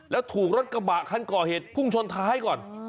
แล้วถูกรถกระบะคันก่อเหตุพุ่งชนท้ายก่อน